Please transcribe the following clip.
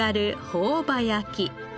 朴葉焼き。